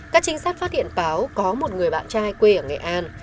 các trinh sát phát hiện báo có một người bạn trai quê ở nghệ an